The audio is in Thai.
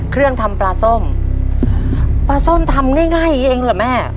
เครื่องทำปลาส้มปลาส้มทำง่ายเองเหรอแม่